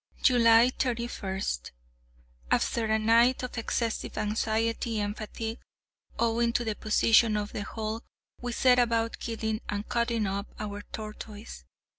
July 31. After a night of excessive anxiety and fatigue, owing to the position of the hulk, we set about killing and cutting up our tortoise.